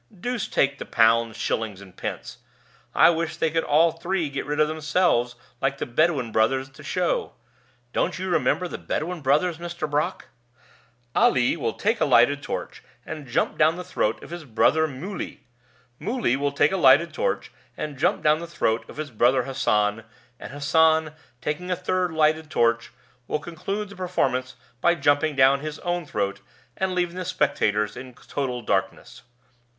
Deuce take the pounds, shillings, and pence! I wish they could all three get rid of themselves, like the Bedouin brothers at the show. Don't you remember the Bedouin brothers, Mr. Brock? 'Ali will take a lighted torch, and jump down the throat of his brother Muli; Muli will take a lighted torch, and jump down the throat of his brother Hassan; and Hassan, taking a third lighted torch, will conclude the performances by jumping down his own throat, and leaving the spectators in total darkness.